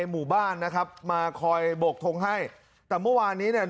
หมู่บ้านนะครับมาคอยโบกทงให้แต่เมื่อวานนี้เนี่ย